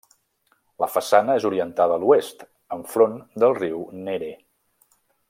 La façana és orientada a l'oest, enfront del riu Nere.